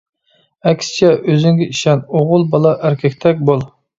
ئەكسىچە، ئۆزۈڭگە ئىشەن، ئوغۇل بالا ئەركەكتەك بول!